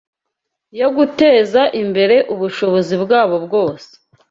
yo guteza imbere ubushobozi bwabo bwose